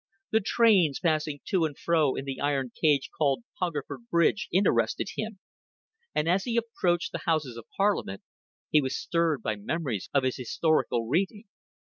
The trains passing to and fro in the iron cage called Hungerford Bridge interested him; and as he approached the Houses of Parliament, he was stirred by memories of his historical reading.